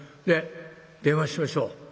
ねっ電話しましょう。